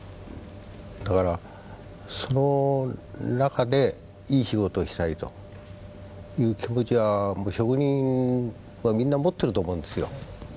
だからその中でいい仕事をしたいという気持ちは職人はみんな持ってると思うんですよ。